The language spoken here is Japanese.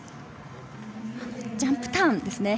ジャンプターンですね。